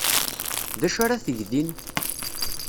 D acu ara teg din?